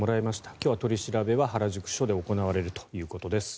今日は取り調べは原宿署で行われるということです。